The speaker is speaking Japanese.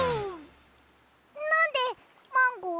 なんでマンゴー？